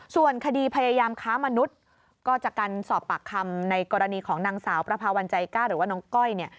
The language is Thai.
ส่วนคดีพยายามค้ามนุษย์ก็จากการสอบปากคำในกรณีของนางสาวประพาวันใจกล้าหรือว่าน้องก้อยเนี่ย